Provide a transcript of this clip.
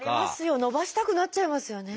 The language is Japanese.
伸ばしたくなっちゃいますよね。